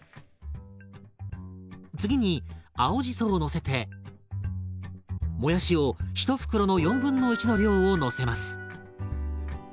次に青じそをのせてもやしを１袋の1/4の量をのせます。